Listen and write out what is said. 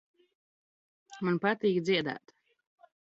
Man pat?k dzied?t!